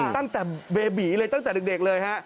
ตั้งแต่เบบีเลยตั้งแต่เด็กเลยฮะ